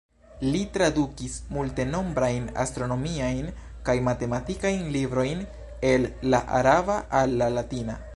Li tradukis multenombrajn astronomiajn kaj matematikajn librojn el la araba al la latina.